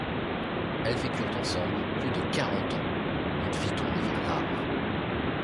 Elles vécurent ensemble plus de quarante ans, une vie tournée vers l'art.